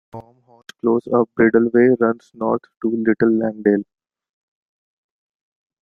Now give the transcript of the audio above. From Hodge Close a bridleway runs north to Little Langdale.